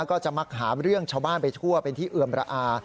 ก็จะมักหาเรื่องชาวบ้านไปทั่วเป็นที่เอือมระอา